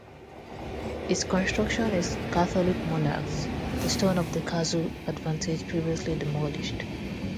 Its construction is Catholic Monarchs, the stones of the Castle advantage previously demolished.